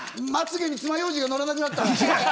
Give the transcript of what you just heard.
まつげにつまようじが乗らなくなった。